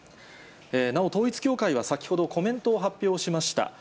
なお、統一教会は先ほどコメントを発表しました。